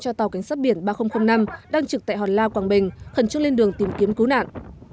cho tàu cảnh sát biển ba nghìn năm đang trực tại hòn la quảng bình khẩn trúc lên đường tìm kiếm cứu nạn